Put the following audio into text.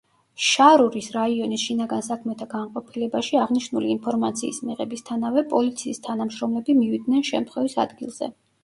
შარურის რაიონის შინაგან საქმეთა განყოფილებაში აღნიშნული ინფორმაციის მიღებისთანავე, პოლიციის თანამშრომლები მივიდნენ შემთხვევის ადგილზე.